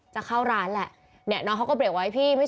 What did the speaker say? จะเข้าร้านแหละ